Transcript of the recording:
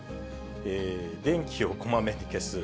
電気をこまめに消す。